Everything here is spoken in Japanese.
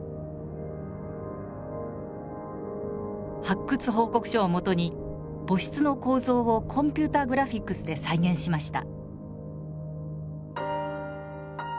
発掘報告書を基に墓室の構造をコンピューターグラフィックスで再現しました。